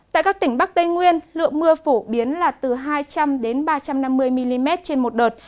tại các tỉnh bắc tây nguyên lượng mưa phổ biến là từ hai trăm linh ba trăm năm mươi mm trên một đợt